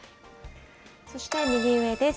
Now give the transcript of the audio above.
そして右上です。